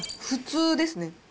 普通ですね。